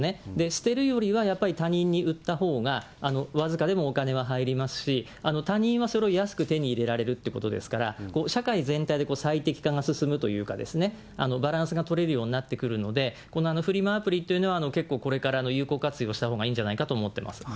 捨てるよりはやっぱり他人に売ったほうが、僅かでもお金は入りますし、他人はそれを安く手に入れられるということですから、社会全体で最適化が進むというか、バランスが取れるようになってくるので、このフリマアプリというのは、結構これから有効活用したほうがいいんじゃないかと思っています。